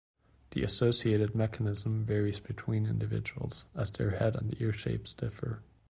The associated mechanism varies between individuals, as their head and ear shapes differ.